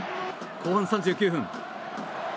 後半３９分。